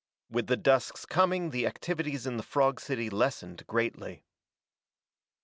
With the dusk's coming the activities in the frog city lessened greatly.